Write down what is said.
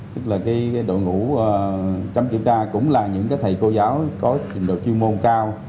tức là cái đội ngũ chấm kiểm tra cũng là những thầy cô giáo có trình độ chuyên môn cao